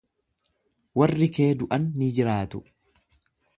Warri kee du'an ni jiraatu.